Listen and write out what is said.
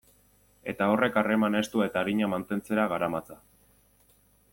Eta horrek harreman estu eta arina mantentzera garamatza.